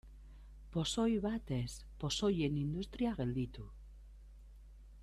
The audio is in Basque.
Pozoi bat ez, pozoien industria gelditu.